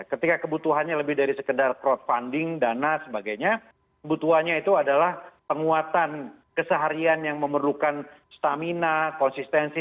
ketika kebutuhannya lebih dari sekedar crowdfunding dan lain sebagainya kebutuhannya itu adalah penguatan keseharian yang memerlukan stamina konsistensi